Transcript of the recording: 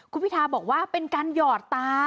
คุณพิทาบอกว่าเป็นการหยอดตา